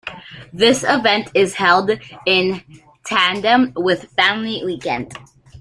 This event is held in tandem with Family Weekend.